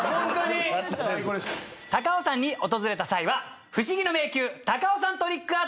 高尾山に訪れた際は不思議の迷宮高尾山トリックアート美術館に。